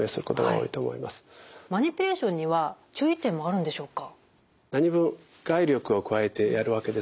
マニピュレーションには注意点はあるんでしょうか？